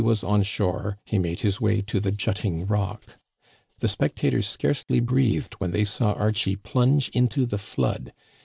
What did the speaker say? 69 was on shore, he made his way to the jutting rock. The spectators scarcely breathed when they saw Archie plunge into the flood.